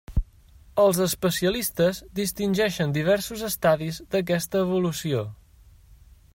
Els especialistes distingeixen diversos estadis d'aquesta evolució.